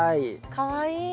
かわいい。